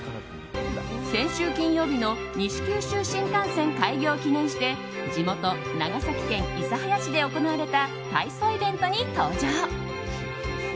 先週金曜日の西九州新幹線開業を記念して地元・長崎県諫早市で行われた体操イベントに登場。